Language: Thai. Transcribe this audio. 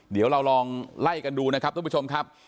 เดี๋ยวเราลองไล่กันดูนะครับทุกผู้ชมครับ